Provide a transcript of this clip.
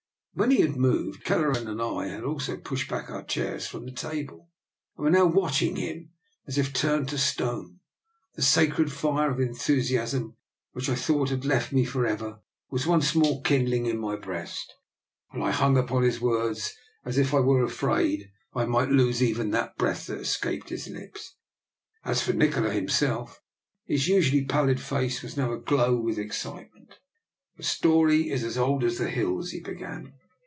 When he had moved, Kelleran and I had also pushed back our chairs from the table, and were now watching him as if turned to stone. The sacred fire of enthusiasm, which I thought had left me for ever, was once more kindling in my breast, and I hung upon his words as if I were afraid I might lose even a breath that escaped his lips. As for Nikola himself, his usually pallid face was now aglow with excitement. DR. NIKOLA'S EXPERIMENT. 59 "The story is as old as the hills/* he began.